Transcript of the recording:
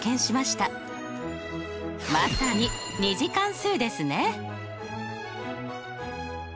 まさに２次関数ですね。